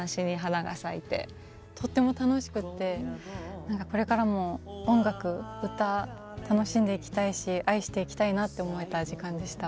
とっても楽しくって何かこれからも音楽歌楽しんでいきたいし愛していきたいなと思えた時間でした。